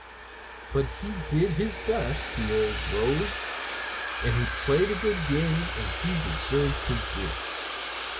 But he did his best, the old rogue; he played a good game, and he deserved to win.